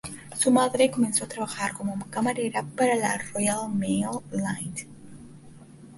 Su madre comenzó a trabajar como camarera para la Royal Mail Line.